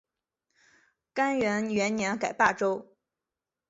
干元元年改霸州。